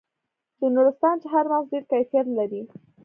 د نورستان چهارمغز ډیر کیفیت لري.